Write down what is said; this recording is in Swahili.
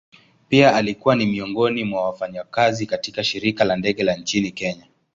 Pia alikuwa ni miongoni mwa wafanyakazi katika shirika la ndege la nchini kenya.